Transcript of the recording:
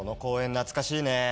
懐かしいね。